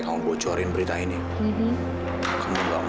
kalau bidani yang patah aman